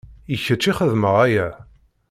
I kečč i xedmeɣ aya.